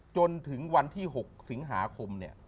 จนถึงวันที่๖สิงหาคม